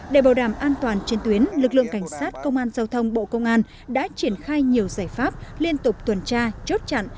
để bảo đảm an toàn trên tuyến lực lượng cảnh sát công an giao thông bộ công an đã triển khai nhiều giải pháp liên tục tuần tra chốt chặn